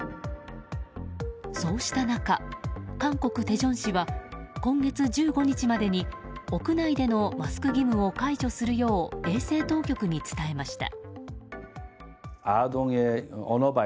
そうした中、韓国テジョン市は今月１５日までに屋内でのマスク義務を解除するよう衛生当局に伝えました。